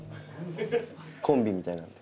コンビみたいなんで。